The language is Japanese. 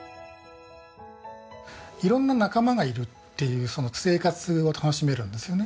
色んな仲間がいるっていうその生活を楽しめるんですよね。